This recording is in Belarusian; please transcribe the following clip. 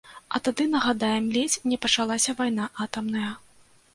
А тады, нагадаем, ледзь не пачалася вайна атамная.